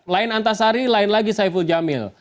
lain antasari lain lagi saiful jamil